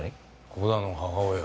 鼓田の母親。